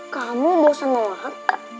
kamu bosan mewat